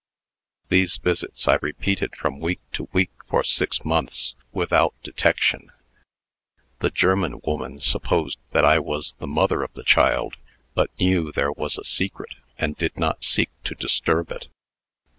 These visits I repeated from week to week for six months, without detection. The German woman supposed that I was the mother of the child, but knew there was a secret, and did not seek to disturb it.